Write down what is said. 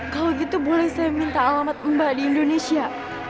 kalau gitu boleh saya minta alamat mbak di indonesia